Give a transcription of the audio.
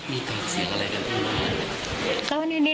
มีตัวเสียงอะไรกับผู้หมานะ